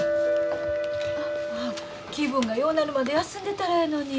気分がようなるまで休んでたらええのに。